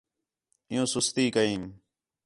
عِیّوں سُستی کیم